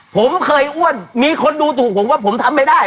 ผมเคยอ้วนมีคนดูถูกผมว่าผมทำไม่ได้